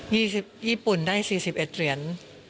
ญี่ปุ่นได้๔๑เหรียญ